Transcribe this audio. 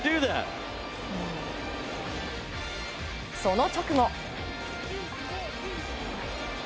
その直後。